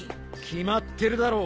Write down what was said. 決まってるだろ